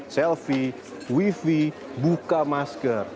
selfie wifi buka masker